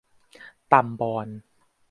ตำบอน